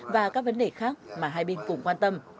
và các vấn đề khác mà hai bên cùng quan tâm